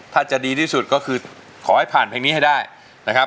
ถ้าจะดีที่สุดก็คือขอให้ผ่านเพลงนี้ให้ได้นะครับ